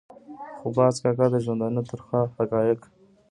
خو باز کاکا د ژوندانه ترخه حقایق.